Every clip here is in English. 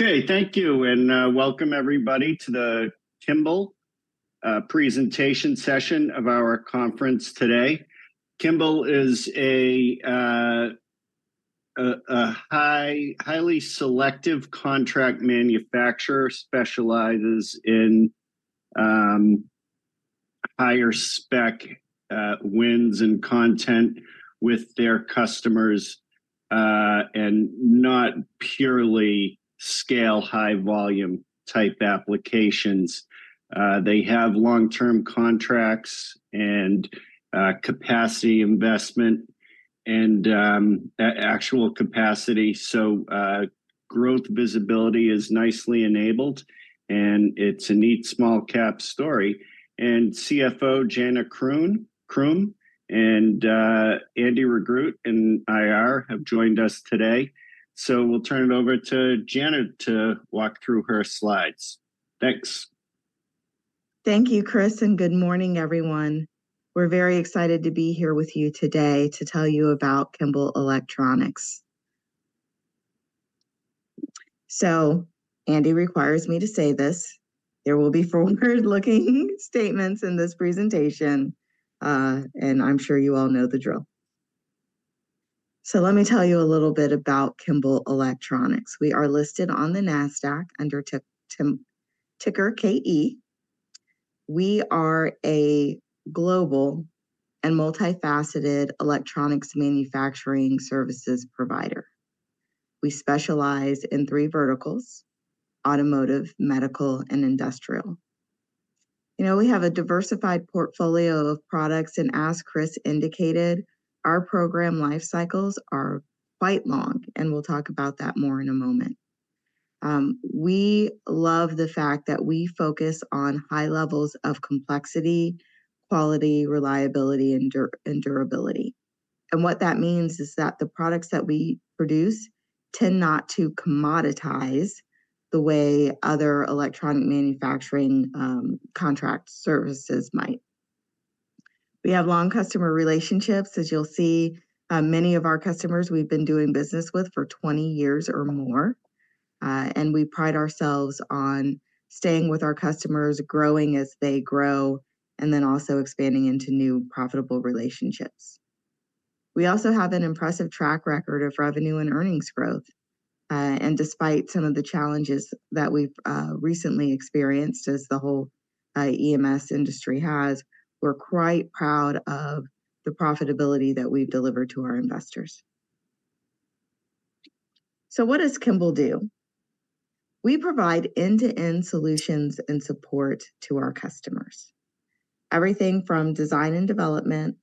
Okay, thank you, and welcome everybody to the Kimball presentation session of our conference today. Kimball is a highly selective contract manufacturer, specializes in higher spec wins and content with their customers, and not purely scale, high volume type applications. They have long-term contracts and capacity investment and actual capacity, so growth visibility is nicely enabled, and it's a neat small cap story. And CFO Jana Croom and Andy Regrut in IR have joined us today. So we'll turn it over to Jana to walk through her slides. Thanks. Thank you, Chris, and good morning, everyone. We're very excited to be here with you today to tell you about Kimball Electronics. So Andy requires me to say this: there will be forward-looking statements in this presentation, and I'm sure you all know the drill. So let me tell you a little bit about Kimball Electronics. We are listed on the NASDAQ under ticker KE. We are a global and multifaceted electronics manufacturing services provider. We specialize in three verticals: automotive, medical, and industrial. You know, we have a diversified portfolio of products, and as Chris indicated, our program life cycles are quite long, and we'll talk about that more in a moment. We love the fact that we focus on high levels of complexity, quality, reliability, and durability. What that means is that the products that we produce tend not to commoditize the way other electronic manufacturing, contract services might. We have long customer relationships. As you'll see, many of our customers we've been doing business with for 20 years or more, and we pride ourselves on staying with our customers, growing as they grow, and then also expanding into new profitable relationships. We also have an impressive track record of revenue and earnings growth. Despite some of the challenges that we've recently experienced as the whole EMS industry has, we're quite proud of the profitability that we've delivered to our investors. What does Kimball do? We provide end-to-end solutions and support to our customers. Everything from design and development,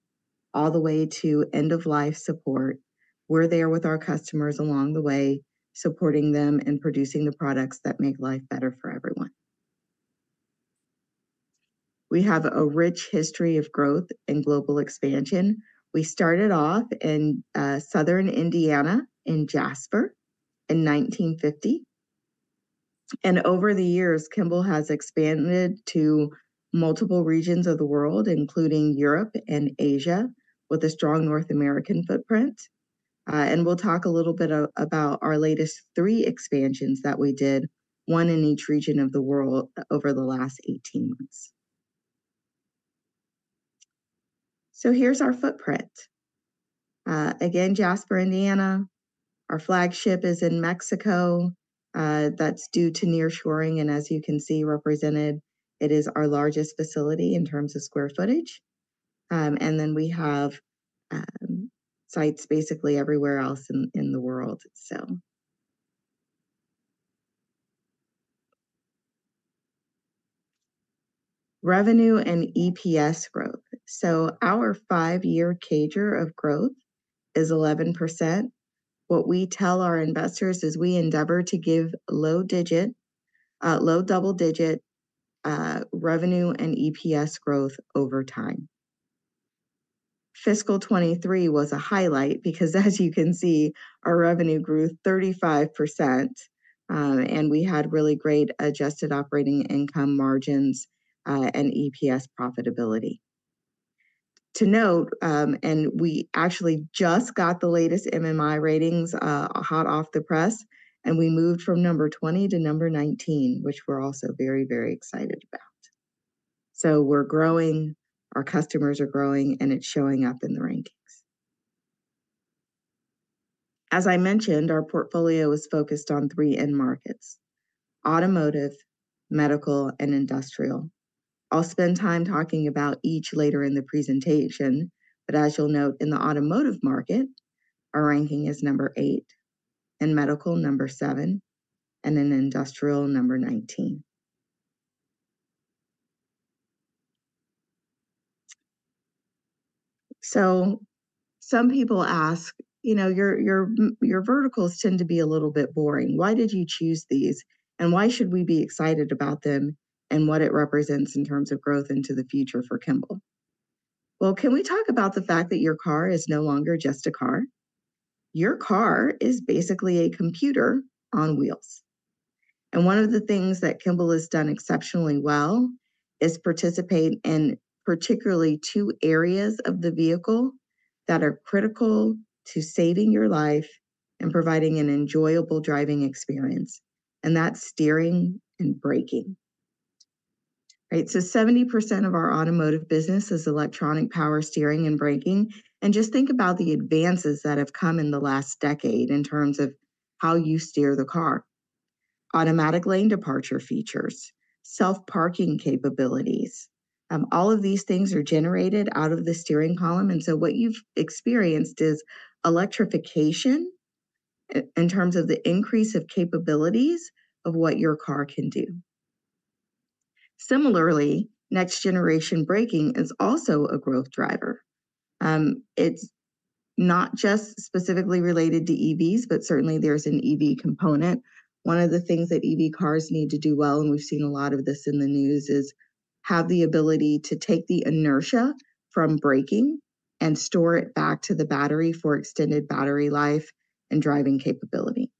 all the way to end-of-life support. We're there with our customers along the way, supporting them and producing the products that make life better for everyone. We have a rich history of growth and global expansion. We started off in southern Indiana, in Jasper, in 1950, and over the years, Kimball has expanded to multiple regions of the world, including Europe and Asia, with a strong North American footprint. And we'll talk a little bit about our latest three expansions that we did, one in each region of the world over the last 18 months. So here's our footprint. Again, Jasper, Indiana. Our flagship is in Mexico. That's due to nearshoring, and as you can see represented, it is our largest facility in terms of square footage. And then we have sites basically everywhere else in the world, so... Revenue and EPS growth. So our five-year CAGR of growth is 11%. What we tell our investors is we endeavor to give low digit, low double-digit, revenue and EPS growth over time. Fiscal 2023 was a highlight because as you can see, our revenue grew 35%, and we had really great adjusted operating income margins, and EPS profitability. To note, and we actually just got the latest MMI ratings, hot off the press, and we moved from number 20 to number 19, which we're also very, very excited about. So we're growing, our customers are growing, and it's showing up in the rankings. As I mentioned, our portfolio is focused on three end markets: automotive, medical, and industrial. I'll spend time talking about each later in the presentation, but as you'll note in the automotive market, our ranking is eight, in medical, seven, and in industrial, 19. So some people ask, "You know, your verticals tend to be a little bit boring. Why did you choose these, and why should we be excited about them and what it represents in terms of growth into the future for Kimball?" Well, can we talk about the fact that your car is no longer just a car? Your car is basically a computer on wheels, and one of the things that Kimball has done exceptionally well is participate in particularly two areas of the vehicle-... that are critical to saving your life and providing an enjoyable driving experience, and that's steering and braking. Right, so 70% of our automotive business is electronic power steering and braking, and just think about the advances that have come in the last decade in terms of how you steer the car. Automatic lane departure features, self-parking capabilities, all of these things are generated out of the steering column, and so what you've experienced is electrification in terms of the increase of capabilities of what your car can do. Similarly, next generation braking is also a growth driver. It's not just specifically related to EVs, but certainly there's an EV component. One of the things that EV cars need to do well, and we've seen a lot of this in the news, is have the ability to take the inertia from braking and store it back to the battery for extended battery life and driving capability.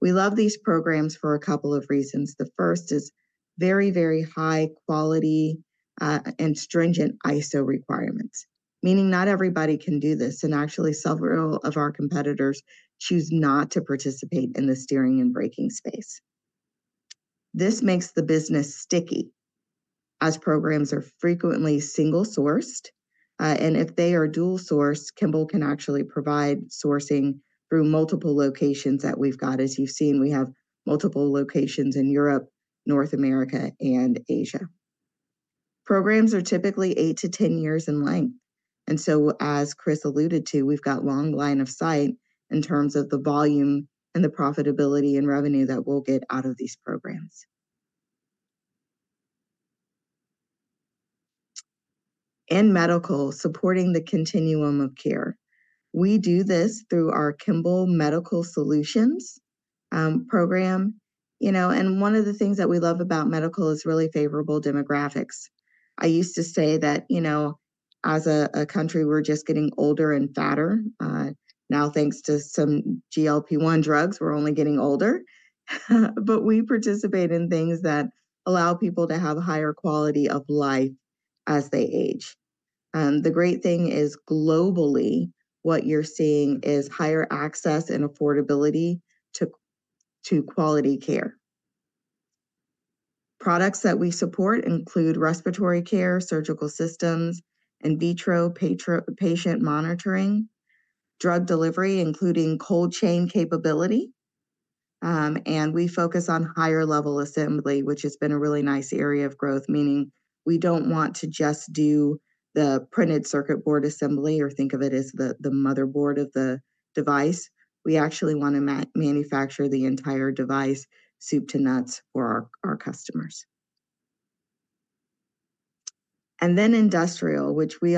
We love these programs for a couple of reasons. The first is very, very high quality and stringent ISO requirements, meaning not everybody can do this, and actually, several of our competitors choose not to participate in the steering and braking space. This makes the business sticky, as programs are frequently single-sourced, and if they are dual-sourced, Kimball can actually provide sourcing through multiple locations that we've got. As you've seen, we have multiple locations in Europe, North America, and Asia. Programs are typically 8-10 years in length, and so as Chris alluded to, we've got long line of sight in terms of the volume and the profitability and revenue that we'll get out of these programs. In medical, supporting the continuum of care, we do this through our Kimball Medical Solutions program. You know, and one of the things that we love about medical is really favorable demographics. I used to say that, you know, as a country, we're just getting older and fatter. Now, thanks to some GLP-1 drugs, we're only getting older, but we participate in things that allow people to have a higher quality of life as they age. The great thing is, globally, what you're seeing is higher access and affordability to quality care. Products that we support include respiratory care, surgical systems, in vitro patient monitoring, drug delivery, including cold chain capability, and we focus on higher level assembly, which has been a really nice area of growth, meaning we don't want to just do the printed circuit board assembly or think of it as the motherboard of the device. We actually wanna manufacture the entire device, soup to nuts, for our customers. And then industrial, which we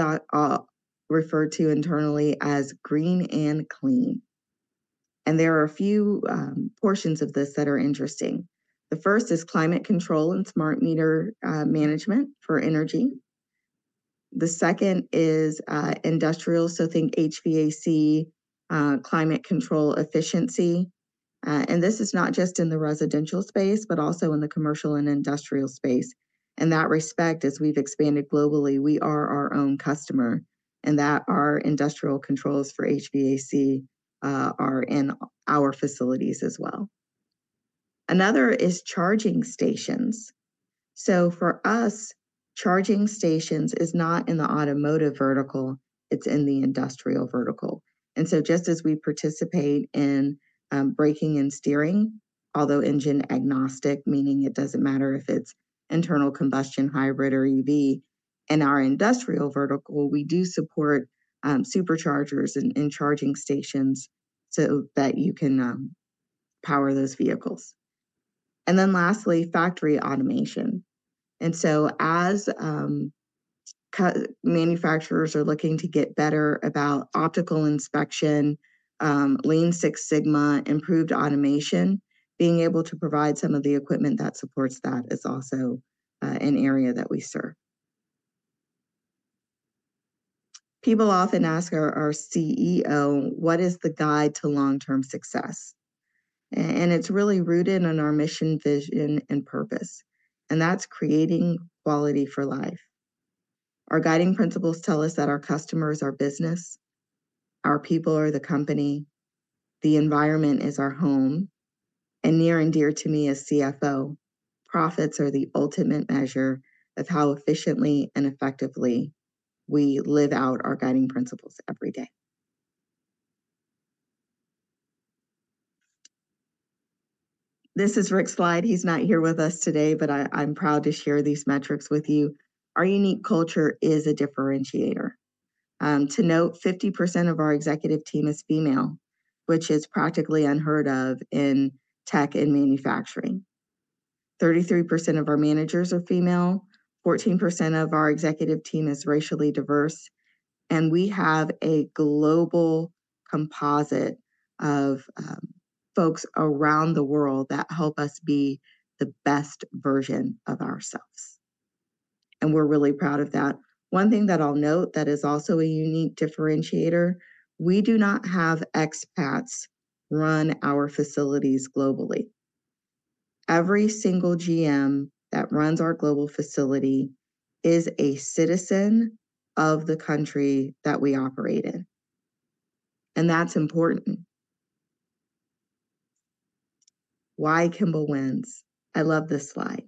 refer to internally as green and clean, and there are a few portions of this that are interesting. The first is climate control and smart meter management for energy. The second is industrial, so think HVAC climate control efficiency, and this is not just in the residential space, but also in the commercial and industrial space. In that respect, as we've expanded globally, we are our own customer, and that our industrial controls for HVAC are in our facilities as well. Another is charging stations. So for us, charging stations is not in the automotive vertical, it's in the industrial vertical. And so just as we participate in braking and steering, although engine-agnostic, meaning it doesn't matter if it's internal combustion, hybrid, or EV. In our industrial vertical, we do support superchargers and charging stations so that you can power those vehicles. Then lastly, factory automation. So as contract manufacturers are looking to get better about optical inspection, Lean Six Sigma, improved automation, being able to provide some of the equipment that supports that is also an area that we serve. People often ask our CEO what is the guide to long-term success? And it's really rooted in our mission, vision, and purpose, and that's creating quality for life. Our guiding principles tell us that our customers are business, our people are the company, the environment is our home, and near and dear to me as CFO, profits are the ultimate measure of how efficiently and effectively we live out our guiding principles every day. This is Rick's slide. He's not here with us today, but I'm proud to share these metrics with you. Our unique culture is a differentiator. To note, 50% of our executive team is female, which is practically unheard of in tech and manufacturing. 33% of our managers are female, 14% of our executive team is racially diverse, and we have a global composite of folks around the world that help us be the best version of ourselves, and we're really proud of that. One thing that I'll note that is also a unique differentiator, we do not have expats run our facilities globally. Every single GM that runs our global facility is a citizen of the country that we operate in, and that's important. Why Kimball wins? I love this slide.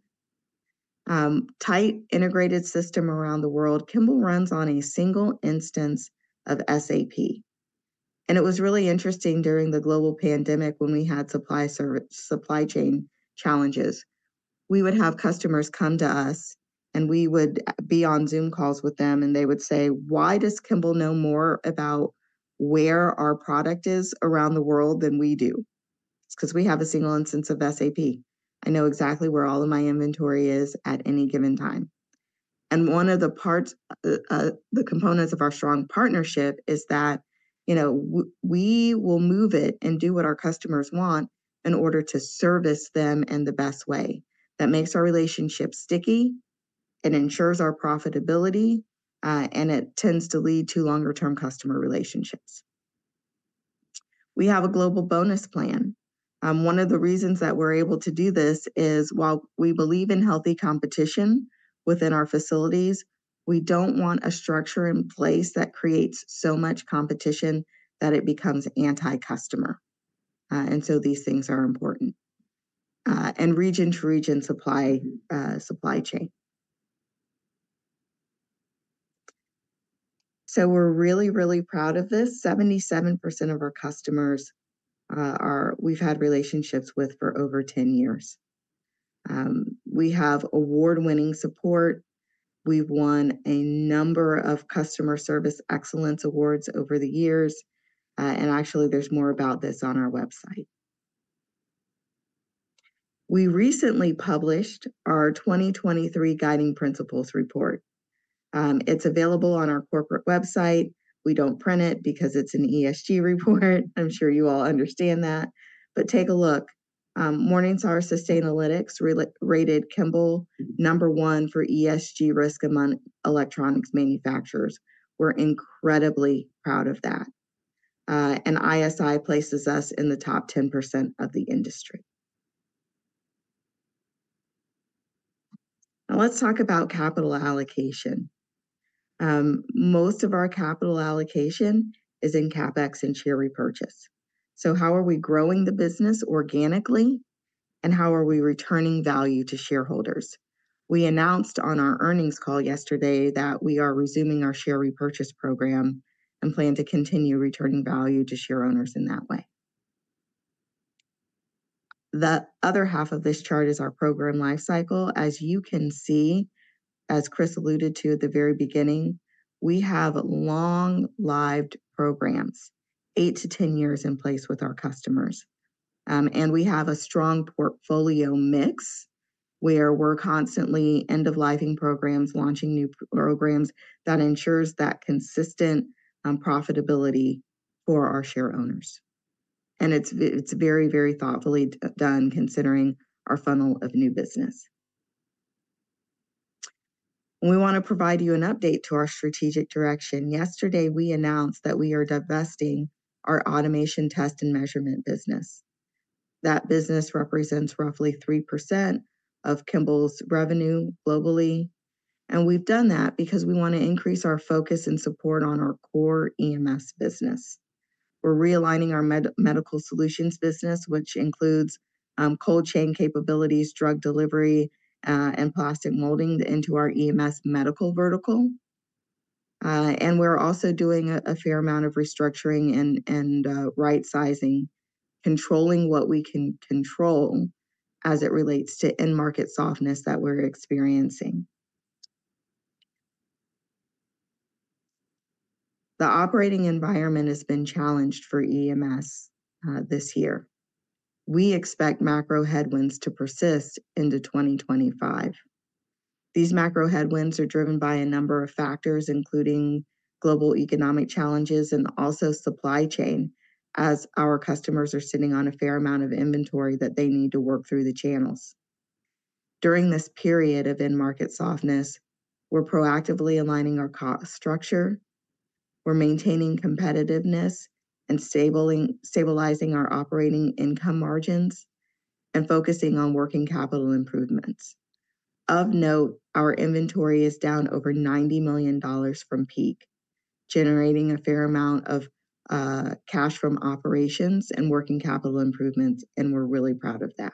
Tight, integrated system around the world. Kimball runs on a single instance of SAP, and it was really interesting during the global pandemic when we had supply service, supply chain challenges. We would have customers come to us, and we would be on Zoom calls with them, and they would say: "Why does Kimball know more about where our product is around the world than we do?" It's 'cause we have a single instance of SAP. I know exactly where all of my inventory is at any given time. And one of the parts, the components of our strong partnership is that, you know, we will move it and do what our customers want in order to service them in the best way. That makes our relationship sticky, it ensures our profitability, and it tends to lead to longer-term customer relationships. We have a global bonus plan. One of the reasons that we're able to do this is, while we believe in healthy competition within our facilities, we don't want a structure in place that creates so much competition that it becomes anti-customer, and so these things are important, and region-to-region supply, supply chain. So we're really, really proud of this. 77% of our customers are-- we've had relationships with for over 10 years. We have award-winning support. We've won a number of customer service excellence awards over the years, and actually, there's more about this on our website. We recently published our 2023 Guiding Principles report. It's available on our corporate website. We don't print it because it's an ESG report. I'm sure you all understand that, but take a look. Morningstar Sustainalytics re-rated Kimball number one for ESG risk among electronics manufacturers. We're incredibly proud of that. And ISI places us in the top 10% of the industry. Now, let's talk about capital allocation. Most of our capital allocation is in CapEx and share repurchase. So how are we growing the business organically, and how are we returning value to shareholders? We announced on our earnings call yesterday that we are resuming our share repurchase program and plan to continue returning value to share owners in that way. The other half of this chart is our program lifecycle. As you can see, as Chris alluded to at the very beginning, we have long-lived programs, 8-10 years in place with our customers. And we have a strong portfolio mix, where we're constantly end-of-lifing programs, launching new programs, that ensures that consistent profitability for our share owners, and it's very, very thoughtfully done, considering our funnel of new business. We wanna provide you an update to our strategic direction. Yesterday, we announced that we are divesting our Automation, Test and Measurement business. That business represents roughly 3% of Kimball's revenue globally, and we've done that because we want to increase our focus and support on our core EMS business. We're realigning our Medical Solutions business, which includes cold chain capabilities, drug delivery, and plastic molding into our EMS Medical vertical. And we're also doing a fair amount of restructuring and right-sizing, controlling what we can control as it relates to end market softness that we're experiencing. The operating environment has been challenged for EMS this year. We expect macro headwinds to persist into 2025. These macro headwinds are driven by a number of factors, including global economic challenges and also supply chain, as our customers are sitting on a fair amount of inventory that they need to work through the channels. During this period of end market softness, we're proactively aligning our cost structure, we're maintaining competitiveness and stabilizing our operating income margins, and focusing on working capital improvements. Of note, our inventory is down over $90 million from peak, generating a fair amount of cash from operations and working capital improvements, and we're really proud of that.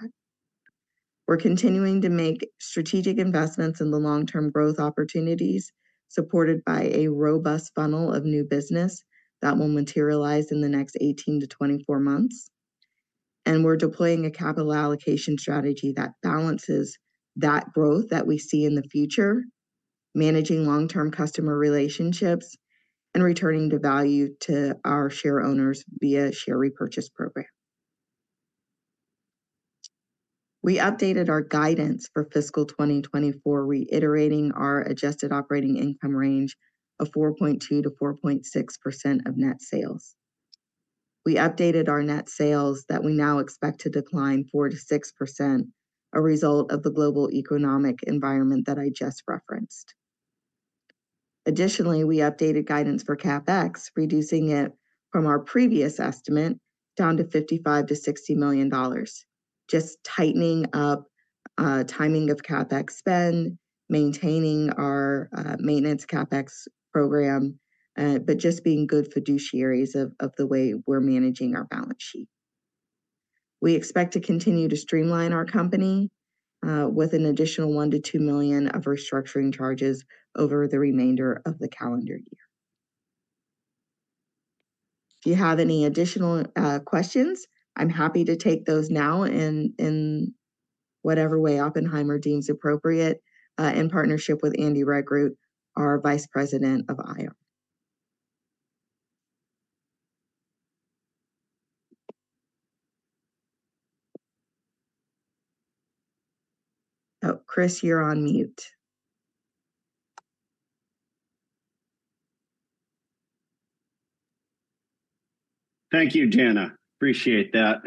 We're continuing to make strategic investments in the long-term growth opportunities, supported by a robust funnel of new business that will materialize in the next 18-24 months, and we're deploying a capital allocation strategy that balances that growth that we see in the future, managing long-term customer relationships, and returning the value to our share owners via share repurchase program. We updated our guidance for fiscal 2024, reiterating our adjusted operating income range of 4.2%-4.6% of net sales. We updated our net sales that we now expect to decline 4%-6%, a result of the global economic environment that I just referenced. Additionally, we updated guidance for CapEx, reducing it from our previous estimate down to $55 million-$60 million. Just tightening up, timing of CapEx spend, maintaining our, maintenance CapEx program, but just being good fiduciaries of, of the way we're managing our balance sheet. We expect to continue to streamline our company, with an additional $1 million-$2 million of restructuring charges over the remainder of the calendar year. If you have any additional questions, I'm happy to take those now in, in whatever way Oppenheimer deems appropriate, in partnership with Andy Regrut, our Vice President of IR. Oh, Chris, you're on mute. Thank you, Jana. Appreciate that.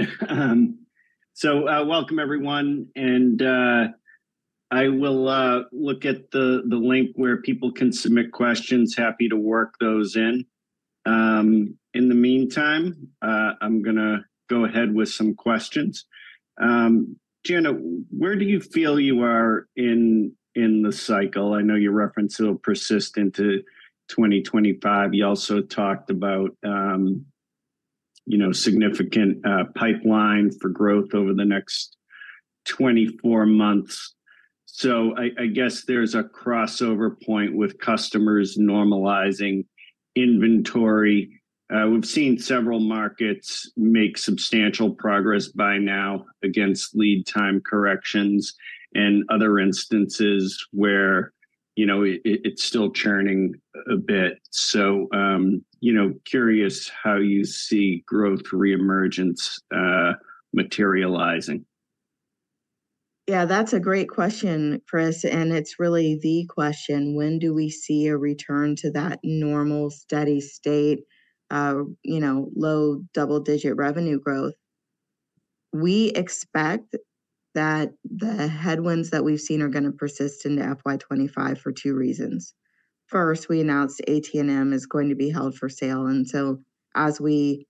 So, welcome, everyone, and I will look at the link where people can submit questions. Happy to work those in. In the meantime, I'm gonna go ahead with some questions. Jana, where do you feel you are in the cycle? I know you referenced it'll persist into 2025. You also talked about, you know, significant pipeline for growth over the next 24 months. So I guess there's a crossover point with customers normalizing inventory. We've seen several markets make substantial progress by now against lead time corrections and other instances where, you know, it's still churning a bit. So, you know, curious how you see growth reemergence materializing. Yeah, that's a great question, Chris, and it's really the question: When do we see a return to that normal, steady state, you know, low double-digit revenue growth? We expect that the headwinds that we've seen are gonna persist into FY 2025 for two reasons. First, we announced AT&M is going to be held for sale, and so as we,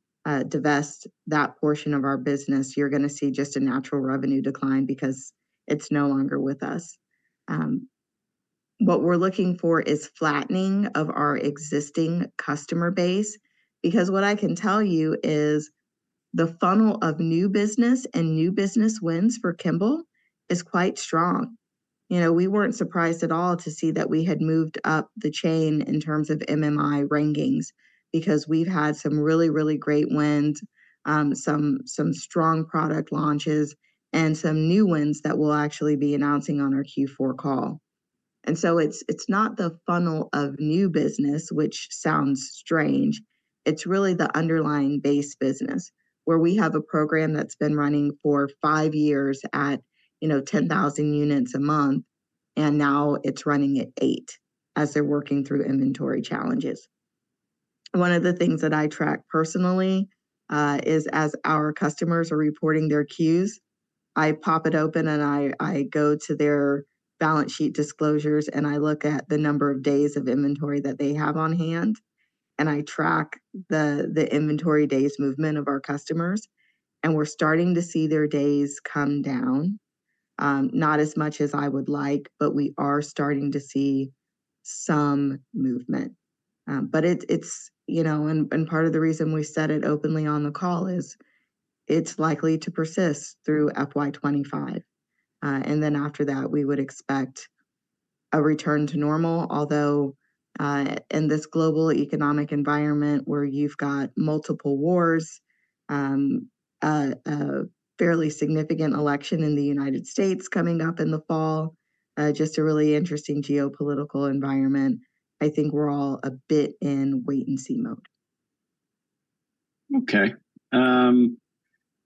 divest that portion of our business, you're gonna see just a natural revenue decline because it's no longer with us. What we're looking for is flattening of our existing customer base, because what I can tell you is the funnel of new business and new business wins for Kimball is quite strong. You know, we weren't surprised at all to see that we had moved up the chain in terms of MMI rankings, because we've had some really, really great wins, some strong product launches, and some new wins that we'll actually be announcing on our Q4 call. So it's not the funnel of new business which sounds strange. It's really the underlying base business, where we have a program that's been running for five years at, you know, 10,000 units a month, and now it's running at eight as they're working through inventory challenges. One of the things that I track personally is as our customers are reporting their queues, I pop it open, and I, I go to their balance sheet disclosures, and I look at the number of days of inventory that they have on hand, and I track the inventory days movement of our customers, and we're starting to see their days come down. Not as much as I would like, but we are starting to see some movement. But it, it's... You know, and, and part of the reason we said it openly on the call is it's likely to persist through FY 2025. And then after that, we would expect a return to normal, although, in this global economic environment, where you've got multiple wars, a fairly significant election in the United States coming up in the fall, just a really interesting geopolitical environment, I think we're all a bit in wait-and-see mode. Okay.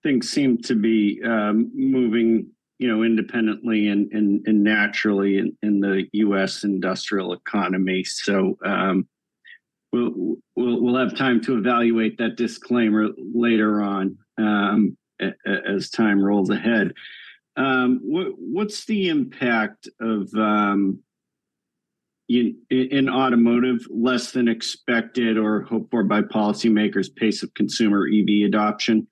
Things seem to be moving, you know, independently and naturally in the U.S. industrial economy. So, we'll have time to evaluate that disclaimer later on, as time rolls ahead. What's the impact of, in automotive, less than expected or hoped for by policymakers' pace of consumer EV adoption?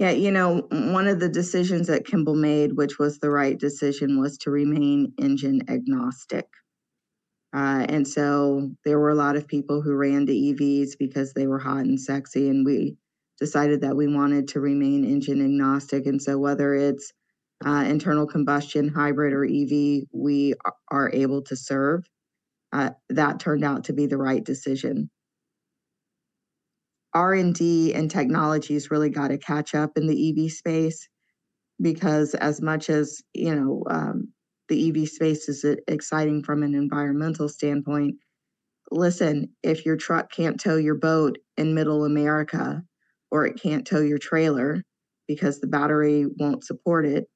Yeah, you know, one of the decisions that Kimball made, which was the right decision, was to remain engine agnostic. And so there were a lot of people who ran to EVs because they were hot and sexy, and we decided that we wanted to remain engine agnostic. And so whether it's internal combustion, hybrid, or EV, we are able to serve. That turned out to be the right decision. R&D and technology's really gotta catch up in the EV space because as much as, you know, the EV space is exciting from an environmental standpoint, listen, if your truck can't tow your boat in Middle America, or it can't tow your trailer because the battery won't support it,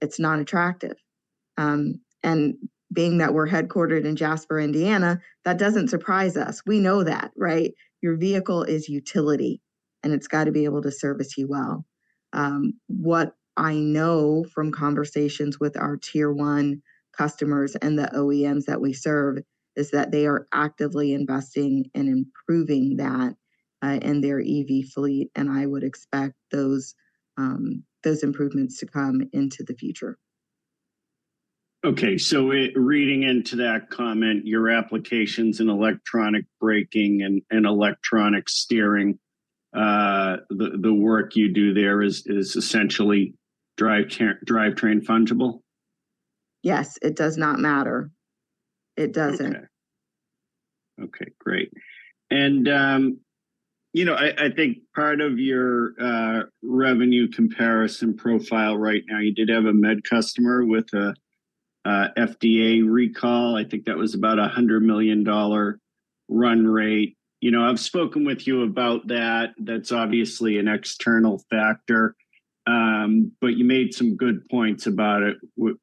it's not attractive. And being that we're headquartered in Jasper, Indiana, that doesn't surprise us. We know that, right? Your vehicle is utility.... It's got to be able to service you well. What I know from conversations with our tier one customers and the OEMs that we serve, is that they are actively investing and improving that in their EV fleet, and I would expect those, those improvements to come into the future. Okay, so reading into that comment, your applications in electronic braking and electronic steering, the work you do there is essentially drive train fungible? Yes, it does not matter. It doesn't. Okay. Okay, great. And, you know, I think part of your revenue comparison profile right now, you did have a med customer with a FDA recall. I think that was about a $100 million run rate. You know, I've spoken with you about that. That's obviously an external factor. But you made some good points about it.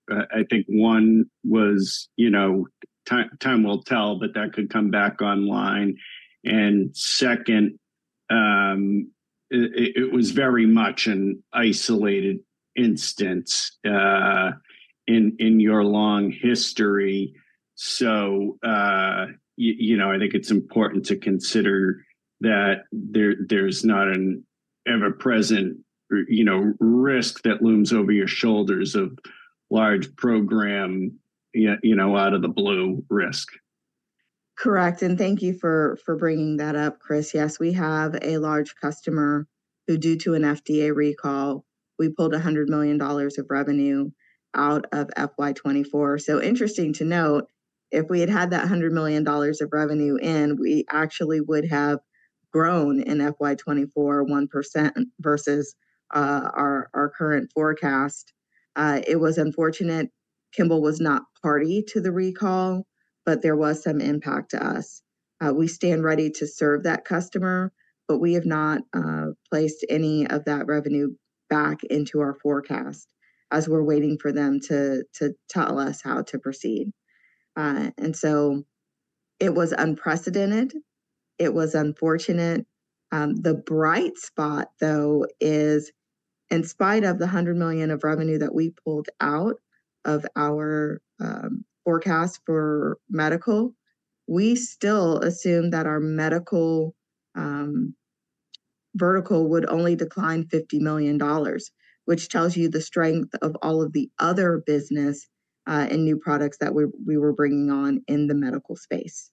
I think one was, you know, time will tell, but that could come back online. And second, it was very much an isolated instance, in your long history. So, you know, I think it's important to consider that there's not an ever-present risk that looms over your shoulders of large program, you know, out of the blue risk. Correct, and thank you for bringing that up, Chris. Yes, we have a large customer who, due to an FDA recall, we pulled $100 million of revenue out of FY 2024. So interesting to note, if we had had that $100 million of revenue in, we actually would have grown in FY 2024, 1% versus our current forecast. It was unfortunate. Kimball was not party to the recall, but there was some impact to us. We stand ready to serve that customer, but we have not placed any of that revenue back into our forecast, as we're waiting for them to tell us how to proceed. And so it was unprecedented, it was unfortunate. The bright spot, though, is in spite of the $100 million of revenue that we pulled out of our forecast for medical, we still assume that our medical vertical would only decline $50 million, which tells you the strength of all of the other business and new products that we were bringing on in the medical space.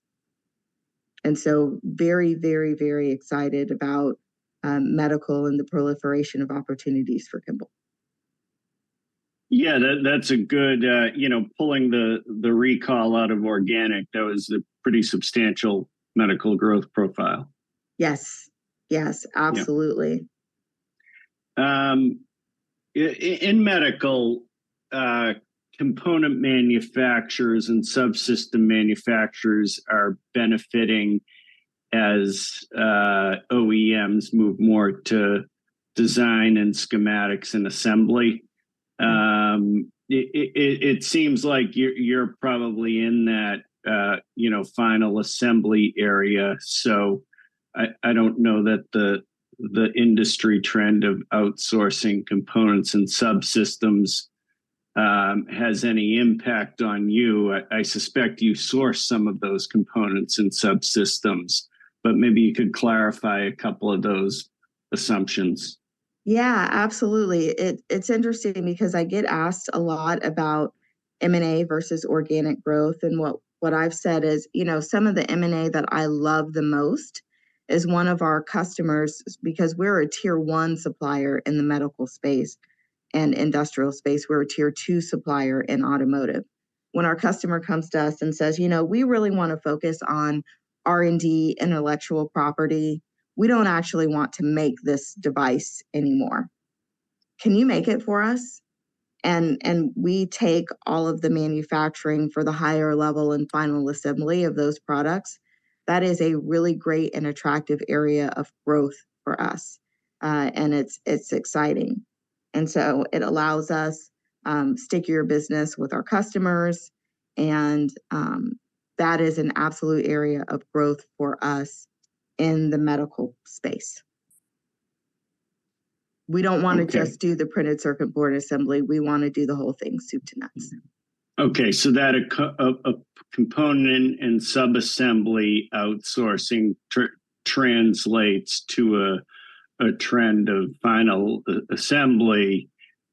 And so very, very, very excited about medical and the proliferation of opportunities for Kimball. Yeah, that's a good, you know, pulling the, the recall out of organic, that was a pretty substantial medical growth profile. Yes. Yes- Yeah Absolutely. In medical, component manufacturers and subsystem manufacturers are benefiting as OEMs move more to design and schematics and assembly. It seems like you're probably in that, you know, final assembly area. So I don't know that the industry trend of outsourcing components and subsystems has any impact on you. I suspect you source some of those components and subsystems, but maybe you could clarify a couple of those assumptions. Yeah, absolutely. It's interesting because I get asked a lot about M&A versus organic growth, and what I've said is, you know, some of the M&A that I love the most is one of our customers, because we're a tier one supplier in the medical space and industrial space. We're a tier two supplier in automotive. When our customer comes to us and says, "You know, we really want to focus on R&D intellectual property, we don't actually want to make this device anymore. Can you make it for us?" And we take all of the manufacturing for the higher level and final assembly of those products. That is a really great and attractive area of growth for us. And it's exciting. And so it allows us stickier business with our customers, and that is an absolute area of growth for us in the medical space. Okay. We don't want to just do the printed circuit board assembly. We want to do the whole thing, soup to nuts. Okay, so that a component and sub-assembly outsourcing translates to a trend of final assembly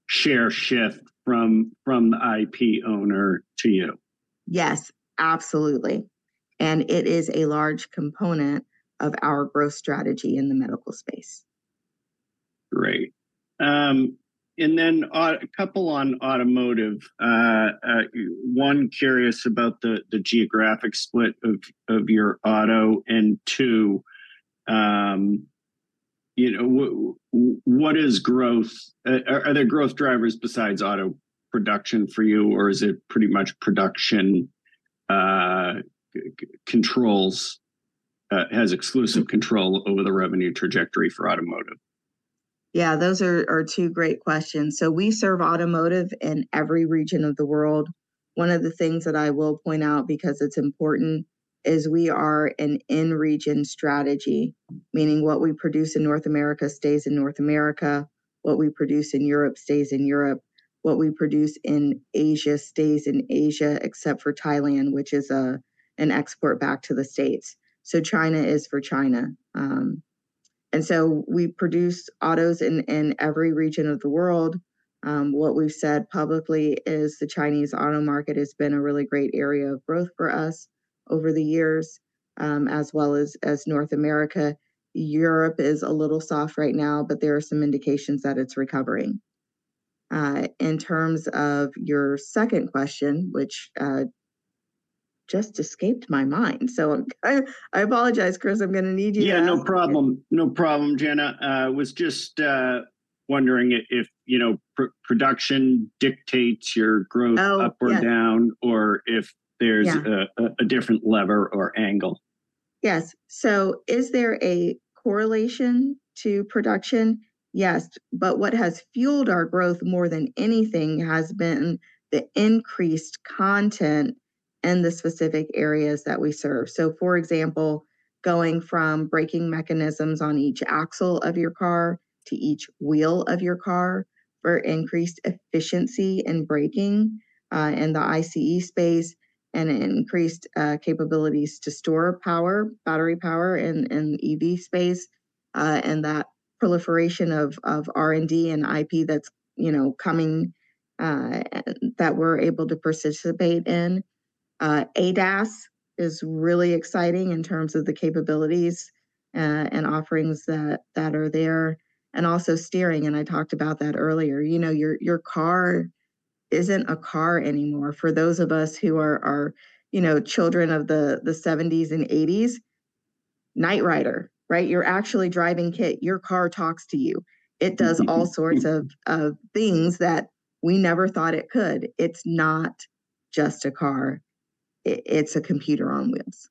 share shift from the IP owner to you? Yes, absolutely. It is a large component of our growth strategy in the medical space. Great. And then a couple on automotive. One, curious about the geographic split of your auto, and two, you know, what is growth... Are there growth drivers besides auto production for you, or is it pretty much production controls has exclusive control over the revenue trajectory for automotive? Yeah, those are two great questions. So we serve automotive in every region of the world. One of the things that I will point out, because it's important, is we are an in-region strategy, meaning what we produce in North America stays in North America, what we produce in Europe stays in Europe, what we produce in Asia stays in Asia, except for Thailand, which is an export back to the States. So China is for China. And so we produce autos in every region of the world. What we've said publicly is the Chinese auto market has been a really great area of growth for us over the years, as well as North America. Europe is a little soft right now, but there are some indications that it's recovering. In terms of your second question, which just escaped my mind. So, I, I apologize, Chris, I'm gonna need you to- Yeah, no problem. No problem, Jana. I was just wondering if, you know, production dictates your growth? Oh, yeah Up or down, or if there's- Yeah A different lever or angle? Yes. So is there a correlation to production? Yes, but what has fueled our growth more than anything has been the increased content in the specific areas that we serve. So, for example, going from braking mechanisms on each axle of your car to each wheel of your car for increased efficiency in braking in the ICE space, and increased capabilities to store power, battery power in the EV space, and that proliferation of R&D and IP that's, you know, coming that we're able to participate in. ADAS is really exciting in terms of the capabilities and offerings that are there, and also steering, and I talked about that earlier. You know, your car isn't a car anymore. For those of us who are, you know, children of the '70s and '80s, Knight Rider, right? You're actually driving KITT. Your car talks to you. It does all sorts of of things that we never thought it could. It's not just a car. It's a computer on wheels.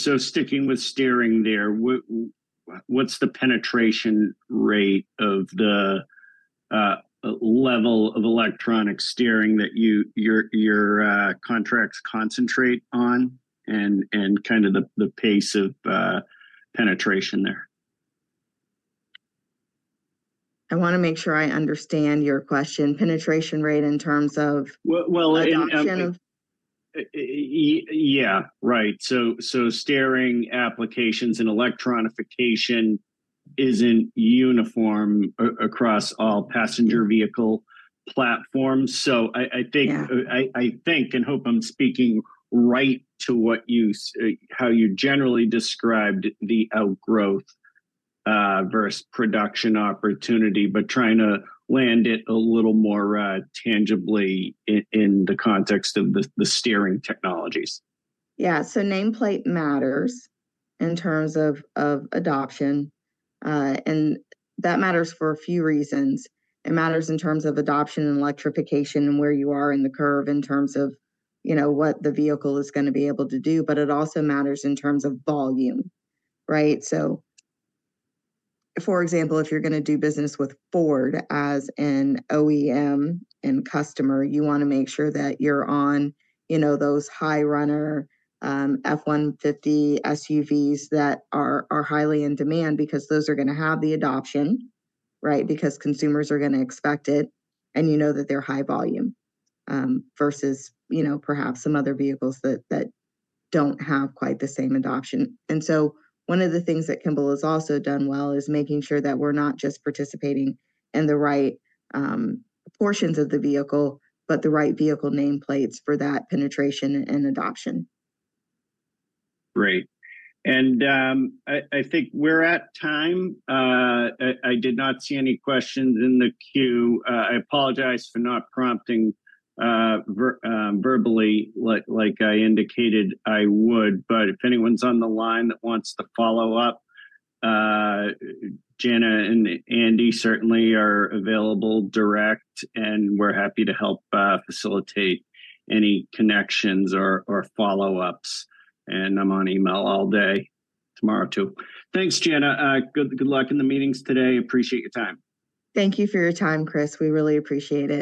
So, sticking with steering there, what's the penetration rate of the level of electronic steering that your contracts concentrate on and kind of the pace of penetration there? I wanna make sure I understand your question. Penetration rate in terms of- Well, well, Adoption of- Yeah, right. So, steering applications and electrification isn't uniform across all passenger-vehicle platforms. So I think- Yeah I think and hope I'm speaking right to what you said, how you generally described the outgrowth versus production opportunity, but trying to land it a little more tangibly in the context of the steering technologies. Yeah, so nameplate matters in terms of, of adoption, and that matters for a few reasons. It matters in terms of adoption and electrification and where you are in the curve, in terms of, you know, what the vehicle is gonna be able to do, but it also matters in terms of volume, right? So, for example, if you're gonna do business with Ford as an OEM and customer, you wanna make sure that you're on, you know, those high runner, F-150 SUVs that are, are highly in demand because those are gonna have the adoption, right? Because consumers are gonna expect it, and you know that they're high volume, versus, you know, perhaps some other vehicles that, that don't have quite the same adoption. One of the things that Kimball has also done well is making sure that we're not just participating in the right portions of the vehicle, but the right vehicle nameplates for that penetration and adoption. Great. And I think we're at time. I did not see any questions in the queue. I apologize for not prompting verbally, like I indicated I would. But if anyone's on the line that wants to follow up, Jana and Andy certainly are available direct, and we're happy to help facilitate any connections or follow-ups, and I'm on email all day, tomorrow, too. Thanks, Jana. Good luck in the meetings today. Appreciate your time. Thank you for your time, Chris. We really appreciate it.